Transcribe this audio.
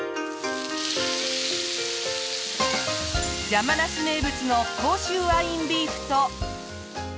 山梨名物の甲州ワインビーフと。